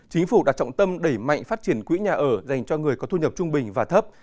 chính phủ đã trọng tâm đẩy mạnh phát triển quỹ nhà ở dành cho người có thu nhập trung bình và thấp